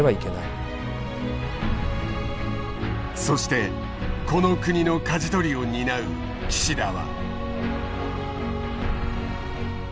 そしてこの国のかじ取りを担う岸田は。